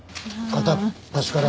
片っ端から。